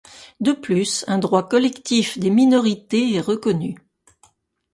De plus un droit collectif des minorités est reconnu.